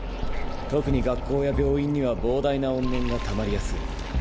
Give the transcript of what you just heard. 特に学校や病院には膨大な怨念がたまりやすい。